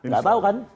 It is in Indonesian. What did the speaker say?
gak tau kan